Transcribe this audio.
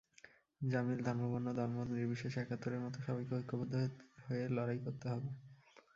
জামিল ধর্মবর্ণ দলমতনির্বিশেষে একাত্তরের মতো সবাইকে ঐক্যবদ্ধ হয়ে লড়াই করতে হবে।